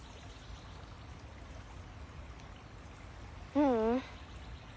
ううん。